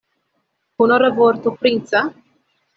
Honora vorto princa?